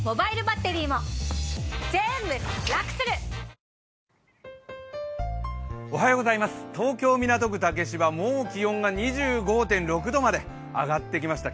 コモ・エ・メ・テオ・東京・港区竹芝、もう気温が２５．６度まであがってきました。